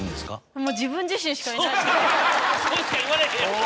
そうしか言われへんよな！